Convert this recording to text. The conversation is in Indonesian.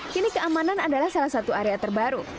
kini keamanan adalah salah satu area terbaru